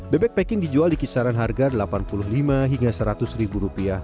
bebek packing dijual di kisaran harga rp delapan puluh lima hingga rp seratus